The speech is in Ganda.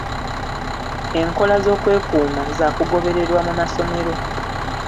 Enkola z'okwekuuma za kugobererwa mu masomero.